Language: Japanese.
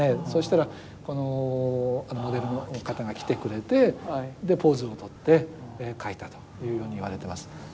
そしたらこのモデルの方が来てくれてでポーズを取って描いたというように言われてます。